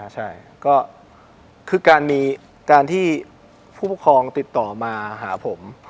ใช่ก็คือการที่ผู้ปกครองติดต่อมาหาผม